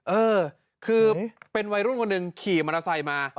เออคือเป็นวัยรุ่นคนหนึ่งขี่มอเตอร์ไซค์มา